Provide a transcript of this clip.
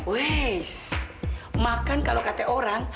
wis makan kalau kata orang